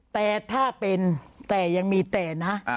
แต่ถ้าเป็นแต่ยังมีแต่นะ